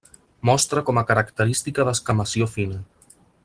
Mostra com a característica descamació fina.